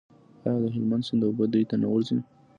آیا د هلمند سیند اوبه دوی ته نه ورځي؟